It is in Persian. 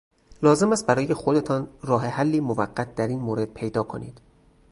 لازم است برای خودتان راه حلی موقت در این مورد پیدا کنید.